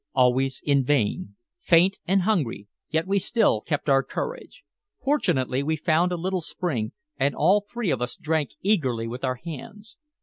always in vain. Faint and hungry, yet we still kept courage. Fortunately we found a little spring, and all three of us drank eagerly with our hands.